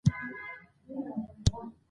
کابل د افغانستان د طبیعي زیرمو برخه ده.